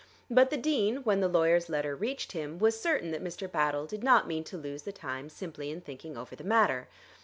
But the Dean, when the lawyer's letter reached him, was certain that Mr. Battle did not mean to lose the time simply in thinking over the matter.